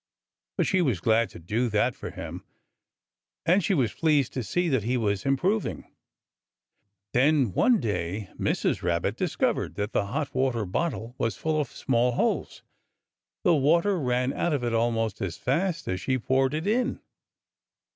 But she was glad to do that for him. And she was pleased to see that he was improving. Then one day Mrs. Rabbit discovered that the hot water bottle was full of small holes. The water ran out of it almost as fast as she poured it in.